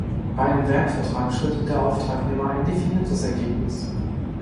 Bei einem Werkvertrag schuldet der Auftragnehmer ein definiertes Ergebnis.